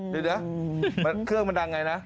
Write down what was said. ดูเหรอเครื่องมันดังไงนะ